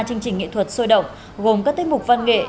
chương trình nghệ thuật sôi động gồm các tiết mục văn nghệ